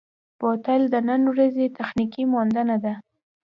بوتل د نن ورځې تخنیکي موندنه ده.